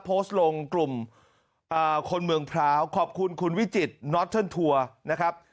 โพสต์ลงกลุ่มคนเมืองพร้าวขอบคุณคุณวิจิตนอทเทิร์นทัวร์นะครับ